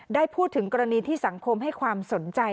ได้พูดถึงกรณีที่สังคมให้ความสนใจ